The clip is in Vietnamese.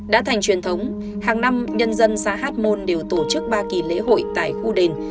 đã thành truyền thống hàng năm nhân dân xá hát môn đều tổ chức ba kỳ lễ hội tại khu đầy đất